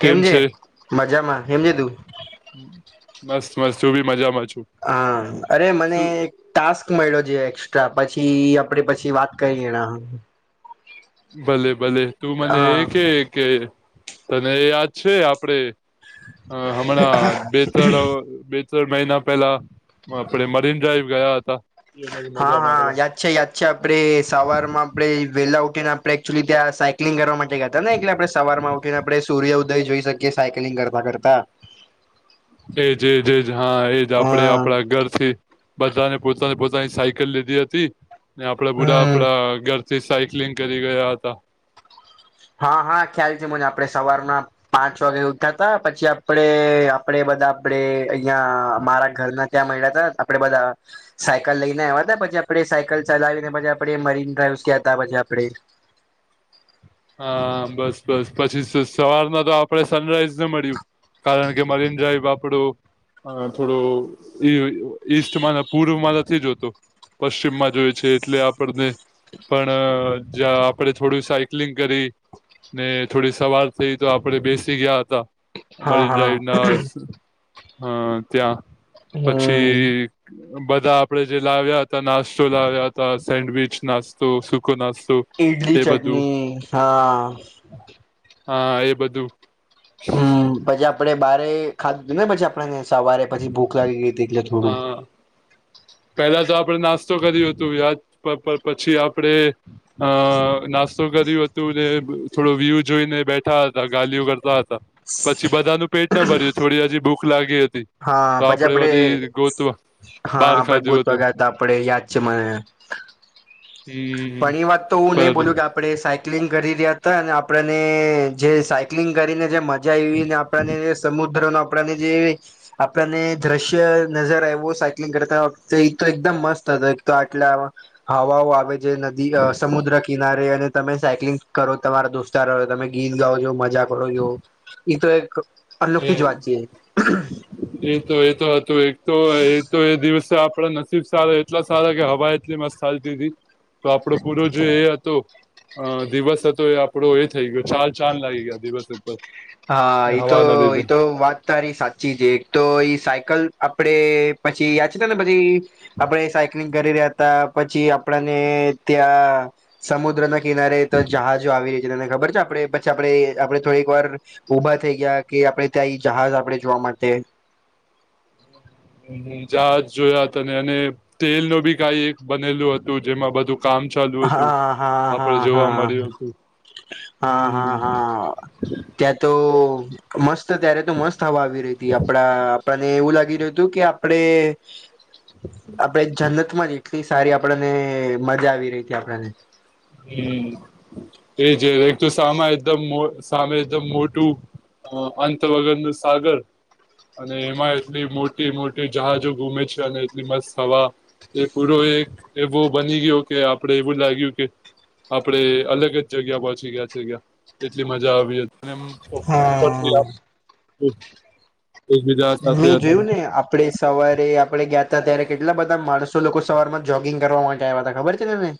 કેમ છે, મજામાં કેમ છે, [unintelligible] મસ્ત મસ્ત હું બી મજામાં છુ હા અરે મને એ ટાસ્ક મળ્યો જે એક્સ્ટ્રા પછી આપણે પછી વાત કરીએ ભલે ભલે તું મને એ હા કે કે તને યાદ છે, આપડે અ હમણાં બે ત્રણ બે ત્રણ મહિના પહેલા આપણે મરીન ડ્રાઈવ ગયા હતા એમાં જ હા મજા હા મારવા યાદ છે, યાદ છે, આપણે સવારમાં આપણે વહેલા ઉઠીને આપણે એચુઅલી ત્યાં સાયક્લિંગ કરવા મા ગયા તા ને એટલે આપણે સવારમા ઉઠીને આપણે સૂર્ય ઉદય જોઈ શકીએ સાયકલિંગ કરવા કરતા એજ એજ એજ હા એજ અ આપણેે આપણા ઘરથી બધાને પોતાને પોતાની સાયકલ લીધી હતી ને આપડા ગુડા હમ આપડા ઘર જે સાઇકલિગ કરી ગયા હતા હા હા ખ્યાલ છે, મને આપણે સવારના પાંચ વાગે ઉઠતા તા પછી આપડે આપડે બધા આપડે અહિયાં મારા ઘરના ત્યાં મળ્યા તા આપડે બધા સાયકલ લઈને આવ્યા હતા પછી આપડે સાયકલ ચલાવીને પછી આપડે મરીન ડ્રાઈવસ ગયા હતા પછી આપડે હા બસ બસ પછી સવારના તો આપડે સનરાઈઝને મળ્યું કારણ કે મરીન ડ્રાઈવ આપડું હ થોડું ઈ ઈસ્ટમાં ના પૂર્વમાં નથી જોતો પશ્ચિમમાં જોય છે, એટલે આપણને પણ જા આપણે થોડું સા કિલીગં કરી ને થોડી સવાર થઈ તો આપડે બેસી ગયા હતા હા મરિન હા ડાઈવના અ ત્યાં હમ પછી બધા આપડે જે લાવ્યા હતા નાસ્તો લાવ્યા હતા સેન્ડવીચ નાસ્તો સુકો નાસ્તો એ ઇડની બધું ચટણી હા હા એ બધું હમ પછી આપડે બારે ખાધું ને પછી આપણે સવારે પછી ભૂ ખલાયગી એટલે થોડું હા પેલા તો આપડે નાસ્તો કર્યું હતું વ્યાજ પછી આપડે અ નાસ્તો કર્યું હતું ને થોડો વ્યુ જોઈને બેઠા હતા ગાલીઓ કરતા હતા પછી બધાનું પેટ ન ભર્યું થોડી હજી ભૂખ લાગી હતી હા તો પછી આપડે વરી ગોતવા હા બહાર આપડે ખાધું ગોતવા હતું ગયા તા આપણે યાદ છે, મને હમ પણ એ વાત તો હું નહી પર બોલુ કે આ પડે સાયક્લિંગ કરી રહ્યા હતા અને આપણને જે સાયક્લિંગ કરીને જે મ જ્યાં આયવીને આપણને જે સમુદ્રન આપણને જે આપણને દ્રશ્ય નજર આયવો સાયક્લિંગ કરતા વખતે ઈ તો એકદમ મસ્ત હતો એક તો આટલામાં હવાવો આવે જ જે નદી સમુદ્ર કિનારે અને તમે સાયક્લિંગ કરો તમારા દોસ્તારો તમે ગીત ગાવવાનો મજા કરો છો તો એક અનોખી જ વાત છે. એ તો એ તો હતું એક તો એ તો એ દિવસે આ આપડે નસીબ સારો એટલા સારા કે હવા એટલી મસ્ત હાલતીતી આપડો પૂરો જે એ હતો અ દિવસે હતો એ આપડો એ થઇ ગયો ચાલ ચાલ લાગી ગયા દિવસે હા ઈ તો ઈ તો વા તારી સાચી જે એક તો ઈ સાયકલ આપડે પછી યાદ ને પછી આપડે સાયક્લિંગ કરી રહ્યા હતા પછી આપણને ત્યાં સમુદ્રને કિનારે તો જહાજો આવી રહી છે તને ખબર છે આપડે પછી આપડે આપડે થોડીક વાર ઊભા થઈ ગયા કે આપડે ત્યાં એ જહાજ આપડે જોવા માટે. હ જહાજ જોયા ત અને અને તેલ ન બી કઈ એક બનેલું હતું જેમાં બધું કામ ચાલુ હતું હા હા હા આપડ જોવા હા મળ્યું હતું. [unintelligible] ત્યા તો મસ્ત ત્યારે તો મસ્ત હવા આવી રહી હતી આપણા આપણને એવું લાગી રહ્યું હતું કે આપડે આપડે જનતમાં જ એટલી સારી આપણને મજા આવી રહી હતી આપણને હમ એજ એક તો સામે એકદમ સામે એકદમ મોટું અ અંત વગરનું સાગર અને એમાં એટલી મોટી મોટી જહાજો ગુમે છે અને એટલી મસ્ત હવા એ પૂરો એક એવો બની ગયો કે આપડે એવું લાગ્યું કે આપણે અલગ જ જગ્યા પહોચી ગયા છે ગ્યા એટલી મજા આવી હતી. અને ઉપરથી હા. આપ એકબીજા સાથે આપણે સવારે આપણે ગયા હતા ત્યારે કેટલા બધા માણસો લોકો સવારમાં જોગિંગ કરવા માટે આવ્યા હતા ખબર છે તમને?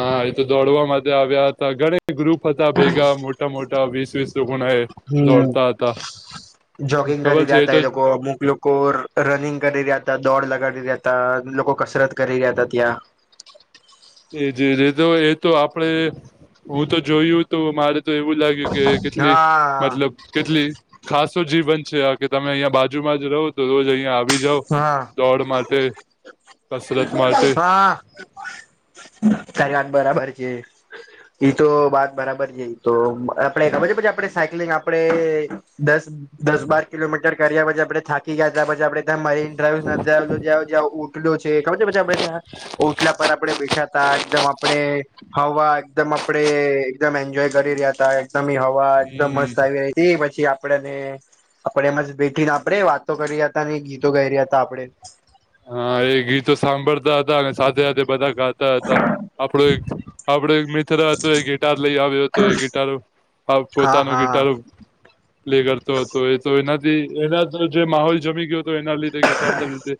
હા એ તો દોડવા માટે આવ્યા હતા ઘણા ગ્રુપ હતા ભેગા મોટા મોટા વીસ વીસ લોકોના એ હમ્મ. દોડતા હતા ખબર છે એ તો [unintelligible] કો રનિંગ કરી રહ્યા હતા દોડ લગાડી રહ્યા હતા લોકો કસરત કરી રહ્યા હતા ત્યાં એ જે ર તો એ તો આપડે હું તો જોયું તો મારે તો એવું લાગ્યું કે કેટલી મતલબ હા કેટલી ખાસો જીવન છે આ કે તમે અહિયાં બાજુમાં જ રહો તો રોજ અહિયાં આવી જાઓ. હા. દોડ માટે. કસરત માટે હા તારી વાત બરાબર છે. એ તો વાત બરાબર છે તો આપણે ખબર છે પ આપણે સાયક્લિંગ આપણે દસ દસ બાર કિલોમીટર કર્યા પછી આપડે થાકી ગયા તા પછી આપડે મરીન ડ્રાઈવને ત્યાં ઉટડો છે ખબર છે પછી આપ ત્યાં ઉટલા પર આપડે છતા એકદમ આપડે હવા એકદમ આપડે એકદમ એન્જોય કરી રહ્યા હતા એકદમ હ વા એકદમ મસ્ત હમ આવી રહી હતી પછી આપડે આપડે એમાં જ બેઠીને આપડે વાત વાતો કરી રહ્યા હતા ને ગીતો ગાઈ રહ્યા હતા આપડે હા એ ગીતો સાંભળતા હતા અને સાથે સાથે બધા ગા હતા આપડો એક આપડો એક મિત્ર હતો એ ગિતાર લઈ આવ્યો હતો એ ગીતાર આ હા પોતાનો હા ગિતારો પ્લે કરતો હતો એ તો એનાથી એના તો જે માહોલ જમી ગયો હતો એના લીધે ગિટારના લીધે.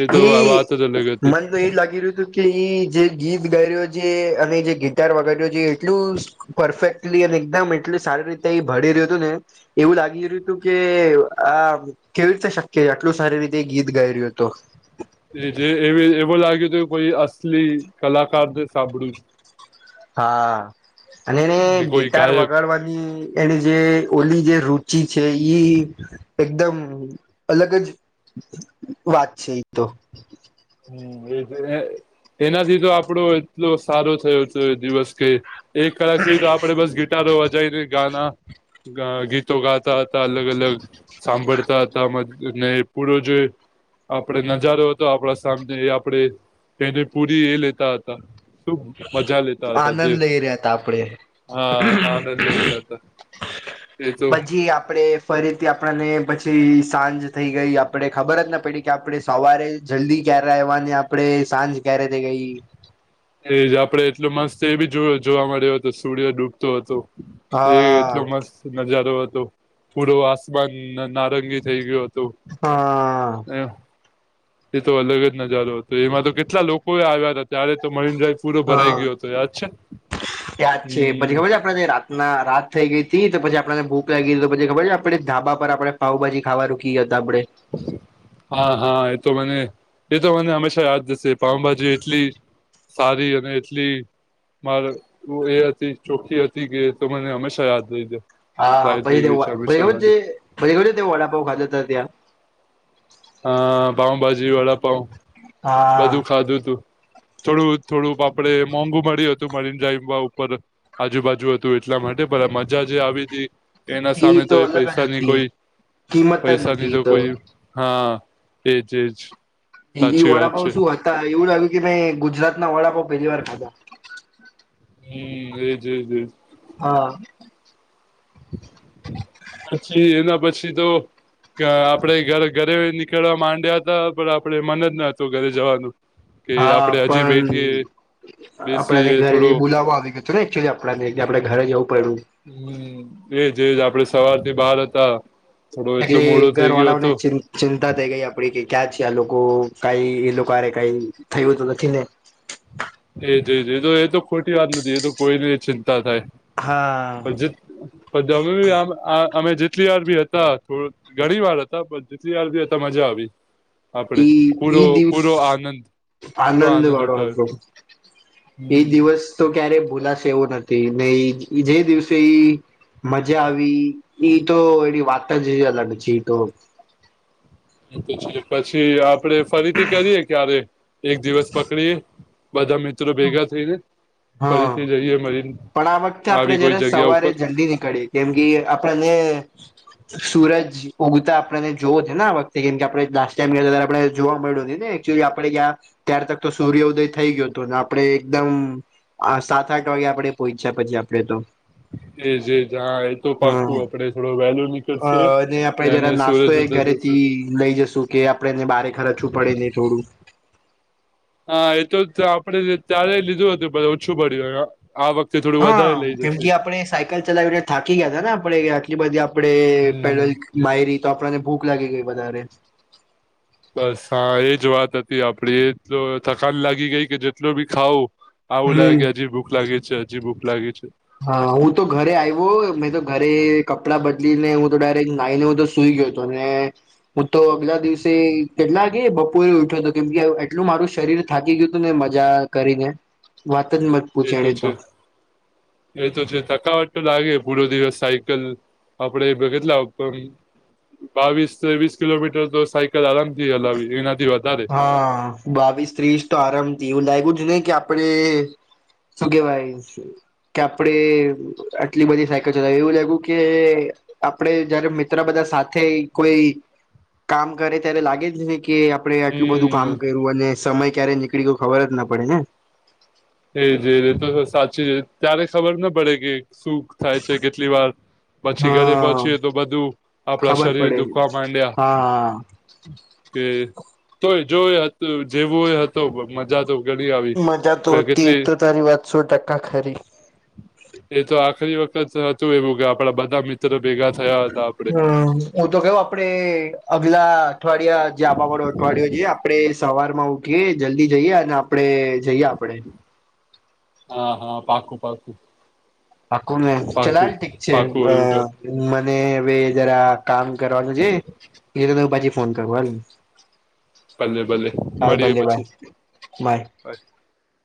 એ તો ઈ વાત જ અલગ હતી. મન તો એ લાગી રહ્યું હતું કે એ જે ગીત ગાઈ રહ્યો છે અને જે ગીતાર વગાડ્યો છે એટલું પરફેક્ટલી અને એકદમ એટલી સારી રીતે એ બી રહ્યું હતું ને એવું લાગી રહ્યું હતું કે આ કેવી રીતે શક્ય એટલું સારી રીતે ગીત ગાઈ રહ્યો હતો. એ જે એવું લાગ્યું હતું કે કોઈ અસલી કલાકારને સાંભળું છ હા અને એને છું કે કોઈ ગિટાર ગાયક વગાડવાની એને જે ઓલી જે રુચિ છે ઈ એકદમ અલગ જ વાત છે એ તો હમ એ એનાથી તો આપડો એટલો સારો થયો છે દિવસ કે એક કલાક સુધી તો આપણે બસ ગી ગિતારો વજાઈને ગાના અ ગીતો ગાતા હતા અલગ અલગ સાંભળતા હતાને પૂરો જે આપડે નજારો હતો આપણા સાથે આપડે એને પૂરી એ લેતા હતા. શુ મજા લેતા હતા જે આનંદ લઈ રહ્યા હતા આપણેે હા આનંદ લઈ રયા હતા. એ તો પછી આપડે ફરીથી આપણને પછી સાંજ થઈ ગઈ આપણે ખબર જ ના પડી કે આપણે સવારે જલ્દી ક્યારે આયવા ને આપડે સાંજ ક્યારે થઈ ગઈ. એજ આપડે એટલો મસ્ત એ બી જોયો જોવા મળ્યો હતો સુડ્ય ડૂબતો હતો. એ હા એટલો મસ્ત નજારો હતો પૂડો આસમાન નારંગી થઈ ગયું હતું હા. હ એ તો અલગ જ નજારો હતો એમાં તો કેટલા લોકો એ આવ્યા હતા. ત્યારે તો મરીન ડ્રાઈવ પૂરો ભરાઈ હા ગયો હતો યાદ છે? હમ આપ રાતના રાત થઈ ગઈી હતી તો પછી આપણને ભૂખ લાગી હતી તો પછી ખબર છે આપડે ધાબા પર આપડે પાઉભાજી ખાવા રૂકી ગ્યા હતા આપડે હા હા એતો મને એતો મને હંમેશા યાદ હશે પાવભાજી એટલી સારી અને એટલી મારે એ હતી ચોખ્ખી હતી કે એ તો મને હંમેશા યાદ રહી દે હા હા પયરો વા પઇ ખબર છે પઇ ખબર તે વડાપઉ ખાધ તા ત્યાં અ પાઉભાજી વડા પાઉ હા બધું ખાધું તું થોડું થોડું આપડે મોંઘુ મળ્યું હતું મરીન ડ્રાઈવમાં ઉપર. આજુબાજુ હતું એટલા માટે પણ મજા જે આવી તી એના ઈ સામે તો એ અલગ જ પૈસા ની હતી કોઈ કિંમત જ નથી પૈસાની તો ઈ કોઈ હા એજ એજ એ સાચી વાત વડાપાવ છે શું હતા એવું લાગ્યું કે મેં ગુજરાત ના વડાપાવ પેલી વાર ખાધા. હમ એ જ એ જ એ જ હા પછી એના પછી તો આપડે ઘરે ઘરે નીકળવા માંડ્યા હતા પણ આપડે મન જ ન હતું ઘરે જવાનું. કે હા આપડે હજી પણ બેઠીએ બેસીએ આપણાને થોડો ઘરેથી બુલાવો આવી ગ એકચ્યુલી આપડાને કે આપણને ઘરે જવું પૈડુ હમ એજ એજ આપડે સવાર થી બહાર હતા. થોડો એટલો એટલે મોડો થઈ ઘર ગયો હતો વાળાઓને ચિંતા ચિંતા થઈ ગઈ આપડી કે ક્યાં છે આ લોકો કઈ એ લોકોરે કઈ થયું તો નથી ને? એ જ જ તો એ તો ખોટી વાત નથી એ તો કોઈને ચિંતા થાય હા પછ અમે બી આ અમે જેટલી વાર બી હતા થોડ ઘણી વાર હતા પણ જેટલી વાર બી હતા મજા આવી. આપડે ઈ પૂરો ઈ દિવસ પૂરો આનંદ પૂરો આનંદ વાળો ઉઠાવ્યો. હતો એ હમ દિવસ તો ક્યારેય ભૂલાશે એવું નથી ને ઈ જે દિવસે ઈ મજા આવી. ઈ તો એની વાત જે અલગ છે ઈ તો [unintelligible] પછી આપડે ફરીથી કરીએ ક્યારે એક દિવસ પકડીએ. બધા મિત્રો ભેગા થઈને. હા ફરીથી જઈએ મરીન પણ આ વખતે આપડે આવી કોઈ જયારે જગ્યા સવારે ઉપર જલ્દી નીકળી. કેમ કે આપણને સુરજ ઉગતા આપડને જોવો ને આ વખતે કેમ કે આપડણે લાસ્ટ ટાઈમ ગયા ત્યારે આપડણે જોવા મળ્યું નથી ને ુ આપડે ગ્યાં ત્યાર તક તો સૂર્ય ઉદય થઈ ગયો હતો ને આપડે એકદમ સાત આઠ વાગે આપડણે પહોંચ્યા પછી આપડે તો એ જેજ હા એ તો પાકું હમ આપે થોડો વેલ અ નીકળશે. અને એટલે આપડે એને જરા નાસ્તો સુરજ એ ઉડતું શું ઘરેથી લઈ જશું કે આપડેને બારે ખરચું પડે ને થોડું. હા એ તો તા આપડે ત્યારે લીધું હતું બધ ઓછું પડ્યું આ આ વખત હા કેમ કે આપડે સાયકલ ચલાવીને થાકી ગયા હતા ને આપડે આટલી બધી આપડે હમ પેડલ માયરી તો આપણને ભૂખ લાગી ગઈ વધારે. બસ હા એજ વાત હતી આપડી એ જ તો થકાન લાગી ગઈ કે જેટલું બી ખાવુ આવું લાગે હમ કે હજી ભૂખ લાગે છે હજી ભૂખ લાગે છે. હા હું તો ઘરે આવ્યો મે તો ઘરે કપડા બદલી ને હું તો ડાયરેક્ટ નાઈને [unintelligible] સુઈ ગયો હતો ને હું તો અગલા દિવસે કેટલા કે એ બપોરે ઉઠ્યો હતો કેમ કે એટલું મારું શરીર થાકી ગયું હતું ને મજા કરીને. વાત જ મત એ પૂછે તો એને છે એ તો છે થકાવટ તો લાગે પૂરો દિવસ સાયકલ આપડે એ પર કેટલા [unintelligible] બાવીસ ત્રવિષા કિલોમીટર તો સાયકલ આરામ થી હલાવી દે એનાથી વધારે હા બાવીસ ત્રીસ તો આરામથી એવું લાગ્યું જ ને કે આપડે શું કેહેવાય કે આપડે આટલી બધી સાયકલ ચલાવી એવું લાગ્યું કે આપડે જયારે મિત્ર બધા સાથે કોઈ કામ કરે ત્યારે લાગે જ ની કે આપણે એટલું બધું હમ કામ કર્યું અને સમય ક્યારે નીકળી ગયો ખબર જ ના પડે ને. એ જ એ રીતો તો સાચી ત્યારે ખબર ના પડે કે શું થાય છે કેટલી વાર પછી ઘરે હા પહોંચીએ તો બધું આપણા ખબર શરીર પડે દુખવા માંડ્યા. હા. કે તોય જો હતું જેવું એ હતું મજા તો ઘણી આવ મજા તો હતી તો તારી વાત સો ટકા ખરી. એ તો આખરી વખત હતું એવું કે આપડા બધા મિત્રો ભેગા થયા હતા. આપડે હા હું તો કયો આપડે અગલા અઠવાડિયા જે આવવા વાળો અઠવાડિયો જે આપડે સવાર માં ઉઠીએ જલ્દી જઈએ અને આપડે જઈએ આપડે. હા હા પાકું પાકું. હાકુ મે ચલાલ પાકું ઠીક છે પાકું એવું હા. મને હવે જરા કામ કરવાનું છે. એ તો તમે પાછી ફોન કરવું હને. ભલે ભલે મળીએ ભલે બાય પછી. બાય.